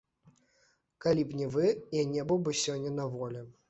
Калі б не вы, я не быў бы сёння на волі.